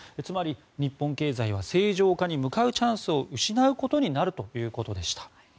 つまり、日本経済は正常化に向かうチャンスを失うことになるということでした。